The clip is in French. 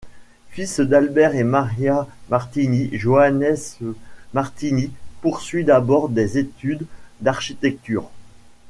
Fils d'Albert et Maria Martini, Johannes Martini poursuit d'abord des études d'architecture.